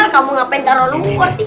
kamu ngapain taruh luar ti